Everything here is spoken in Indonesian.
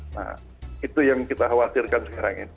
nah itu yang kita khawatirkan sekarang ya